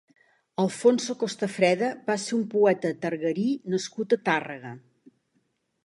Alfonso Costafreda va ser un poeta targarí nascut a Tàrrega.